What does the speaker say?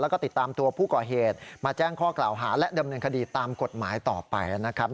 แล้วก็ติดตามตัวผู้ก่อเหตุมาแจ้งข้อกล่าวหาและดำเนินคดีตามกฎหมายต่อไปนะครับ